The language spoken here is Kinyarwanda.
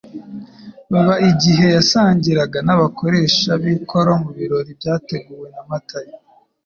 baba igihe yasangiraga n'abakoresha b'ikoro mu birori byateguwe na Matayo,